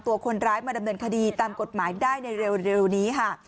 ตัวคนร้ายมาดำเนินคดีตามกฎหมายได้ในเร็วนี้ค่ะ